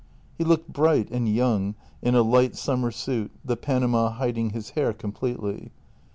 He looked bright and young in a light summer suit, the panama hiding his hair completely.